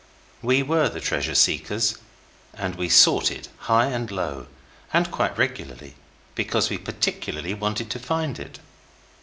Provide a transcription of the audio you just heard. We were the Treasure Seekers, and we sought it high and low, and quite regularly, because we particularly wanted to find it.